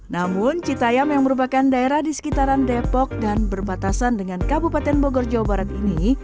namun citayam yang merupakan daerah di sekitaran depok dan berbatasan dengan kabupaten bogor jawa barat ini